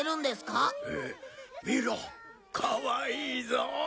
かわいいぞ。